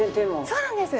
そうなんです。